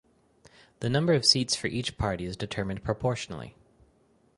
The number of seats for each party is determined proportionally.